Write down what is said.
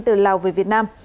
từ lào về việt nam